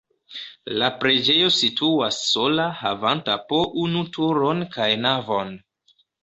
La preĝejo situas sola havanta po unu turon kaj navon.